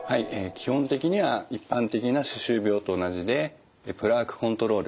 基本的には一般的な歯周病と同じでプラークコントロール。